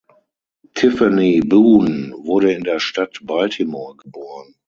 Tiffany Boone wurde in der Stadt Baltimore geboren.